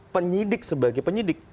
penyidik sebagai penyidik